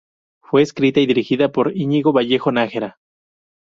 Fue escrita y dirigida por Íñigo Vallejo-Nájera.